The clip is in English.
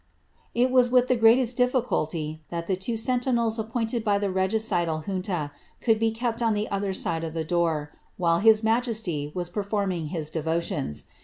with the greatest difficulty that the two sentinels appointed by ial junta could be kept on the other side of the door, while his ^as performing his devotions.